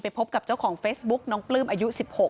พบกับเจ้าของเฟซบุ๊กน้องปลื้มอายุ๑๖